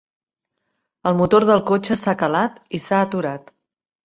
El motor del cotxe s'ha calat i s'ha aturat.